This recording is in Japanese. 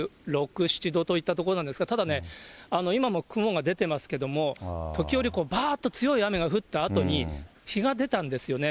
２６、７度といったところなんですが、ただね、今も雲が出てますけども、時折、ばーっと強い雨が降ったあとに、日が出たんですよね。